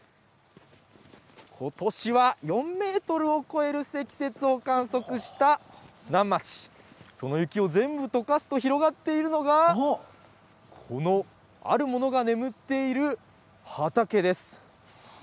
ことしは４メートルを超える積雪を観測した津南町、その雪を全部とかすと広がっているのが、このあるものが眠っている畑です。